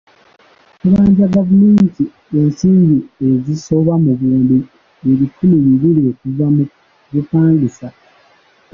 Ttubanja gavumenti ensimbi ezisoba mu buwumbi ebikumi bibiri okuva mu bupangisa.